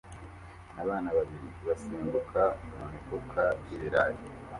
Abana babiri basimbuka mu mifuka y'ibirayi